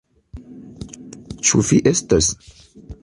Ĉu vi estas?